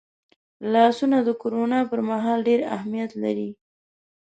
لاسونه د کرونا پرمهال ډېر اهمیت لري